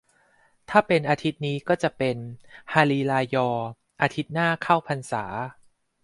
ถ้าเป็นอาทิตย์นี้ก็จะเป็น ฮารีรายอ อาทิตย์หน้าเข้าพรรษา